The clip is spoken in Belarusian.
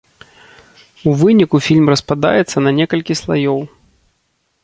У выніку фільм распадаецца не некалькі слаёў.